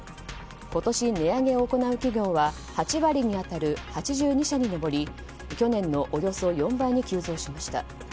今年値上げを行う企業は８割に当たる、８２社に上り去年のおよそ４倍に急増しました。